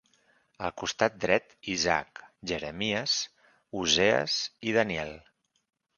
Al costat dret Isaac, Jeremies, Osees i Daniel.